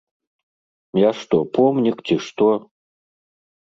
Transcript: Я што, помнік, ці што?